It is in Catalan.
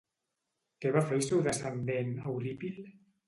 Què va fer el seu descendent Eurípil?